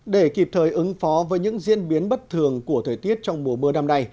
để kịp thời ứng phó với những diễn biến bất thường của thời tiết trong mùa mưa năm nay